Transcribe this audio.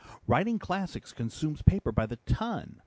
"Writing classics consumes paper by the ton.